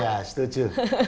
oh iya setuju